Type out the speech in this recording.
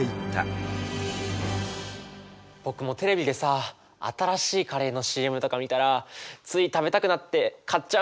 僕もテレビでさ新しいカレーのＣＭとか見たらつい食べたくなって買っちゃうんだよね。